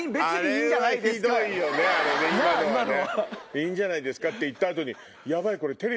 「いいんじゃないですか」って言った後に。